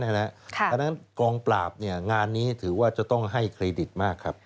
ดังนั้นกองปราบงานนี้ถือว่าจะต้องให้เครดิตมากครับ